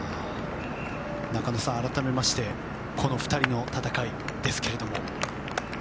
中野さん、改めましてこの２人の戦いですが。